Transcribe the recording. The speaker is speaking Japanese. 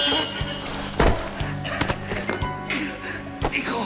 行こう！